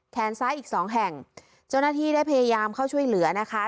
แขนซ้ายอีกสองแห่งเจ้าหน้าที่ได้พยายามเข้าช่วยเหลือนะคะ